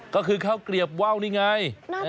ก็คือกลีบว้าวนี่ไง